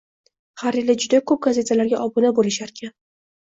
Har yili juda koʻp gazetalarga obuna boʻlisharkan.